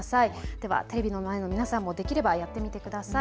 ではテレビの前の皆さんもできればやってみてください。